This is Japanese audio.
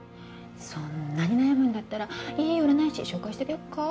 そんなに悩むんだったらいい占い師紹介してあげよっか？